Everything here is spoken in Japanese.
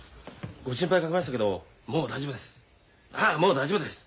ご心配かけましたけどもう大丈夫です。